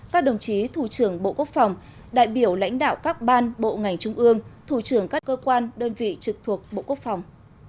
các đồng chí thủ trưởng bộ quốc phòng đại biểu lãnh đạo các ban bộ ngành trung ương thủ trưởng các cơ quan đơn vị trực thuộc bộ quốc phòng